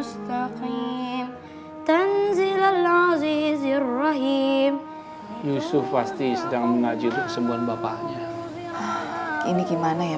sampai jumpa di video selanjutnya